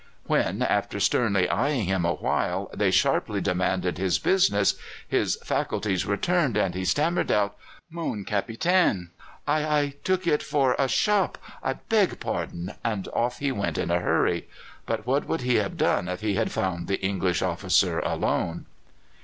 When, after sternly eyeing him a while, they sharply demanded his business, his faculties returned, and he stammered out: "Mon Capitaine, I I I took it for a shop! I beg pardon." And off he went in a hurry. But what would he have done if he had found the English officer alone?